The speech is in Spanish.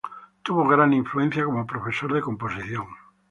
Tuvo gran influencia como profesor de composición.